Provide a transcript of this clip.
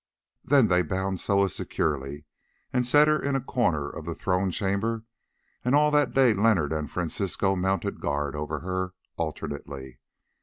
Then they bound Soa securely and set her in a corner of the throne chamber, and all that day Leonard and Francisco mounted guard over her alternately.